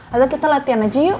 lalu kita latihan aja yuk